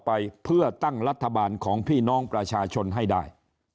ไปเพื่อตั้งรัฐบาลของพี่น้องประชาชนให้ได้